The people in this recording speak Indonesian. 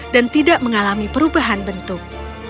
dan tidak mengalami perubahan bentuk